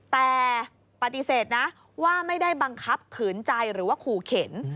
แต่ปฏิเสธนะว่าไม่ได้บังคับขืนใจหรือว่าขู่เข็น